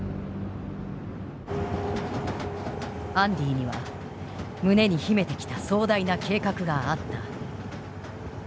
アンディには胸に秘めてきた壮大な計画があった。